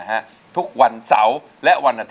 น้องปอนด์ร้องได้ให้ร้อง